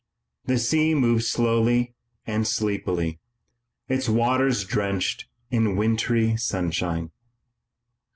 The sea moved slowly and sleepily, its waters drenched in wintry sunshine.